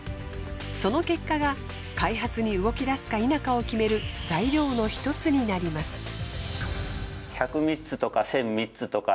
その結果が開発に動き出すか否かを決める材料の１つになります。